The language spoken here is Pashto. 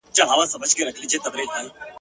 په تور تم کي په تیاروکي لاري ویني ..